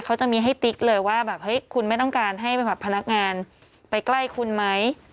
เขาจะมีให้ติ๊กเลยว่าแบบเฮ้ยคุณไม่ต้องการให้พนักงานไปใกล้คุณไหม